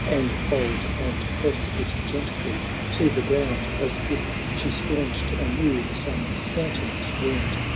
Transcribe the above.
And fold, and press it gently to the ground. As if she staunched anew some phan tom's wound.